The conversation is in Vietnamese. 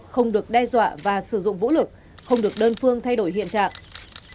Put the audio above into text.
không được đe dọa và sử dụng vũ lực không được đơn phương thay đổi hiện trạng